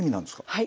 はい。